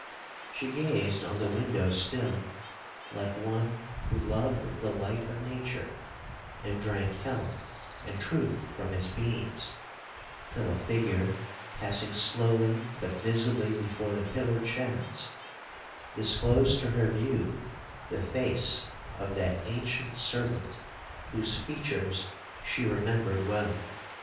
She gazed on the window still, like one who loved the light of nature, and drank health and truth from its beams, till a figure passing slowly but visibly before the pillared shafts, disclosed to her view the face of that ancient servant, whose features she remembered well.